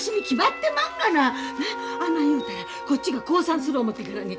あんなん言うたらこっちが降参する思うてからに。